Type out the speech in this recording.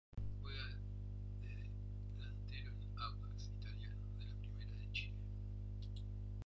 Juega de delantero en Audax Italiano de la Primera División de Chile.